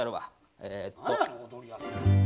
えっと。